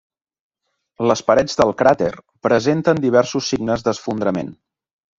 Les parets del cràter presenten diversos signes d'esfondrament.